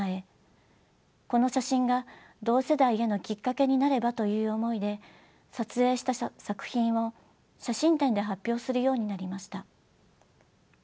この写真が同世代へのきっかけになればという思いで撮影した作品を写真展で発表するようになりました。